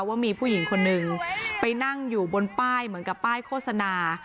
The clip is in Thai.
ว่ามีผู้หญิงคนหนึ่งไปนั่งอยู่บนป้ายเหมือนกับป้ายโฆษณา